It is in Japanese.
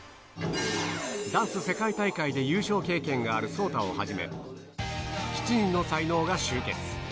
ダンス世界大会で優勝経験があるＳＯＴＡをはじめ、７人の才能が集結。